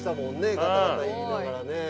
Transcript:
ガタガタいいながらね。